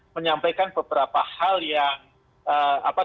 menyampaikan beberapa hal yang